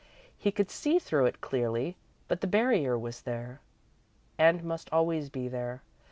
He could see through it clearly, but the barrier was there, and must always be there.